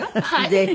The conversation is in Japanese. ぜひ。